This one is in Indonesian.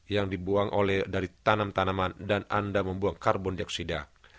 yang dibuang oleh dari tanam tanaman dan anda membuang karbon dioksida